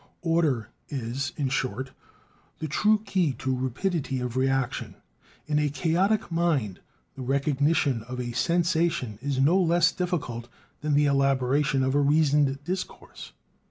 Order is, in short, the true key to rapidity of reaction. In a chaotic mind, the recognition of a sensation is no less difficult than the elaboration of a reasoned discourse.